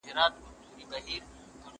زه کولای سم کار وکړم؟